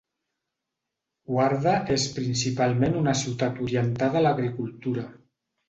Wardha és principalment una ciutat orientada a l'agricultura.